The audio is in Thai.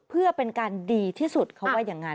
เพื่อเป็นการดีที่สุดเขาว่าอย่างนั้น